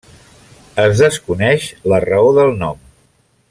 Es desconeix la raó del nom.